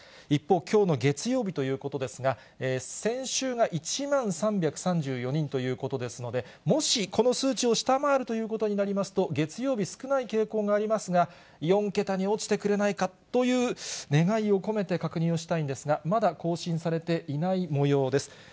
一方、きょうの月曜日ということですが、先週が１万３３４人ということですので、もしこの数字を下回るということになりますと、月曜日、少ない傾向がありますが、４桁に落ちてくれないかという願いを込めて確認をしたいんですが、まだ更新されていないもようです。